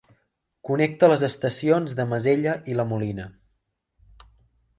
Connecta les estacions de Masella i la Molina.